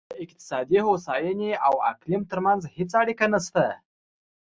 د اقتصادي هوساینې او اقلیم ترمنځ هېڅ اړیکه نشته.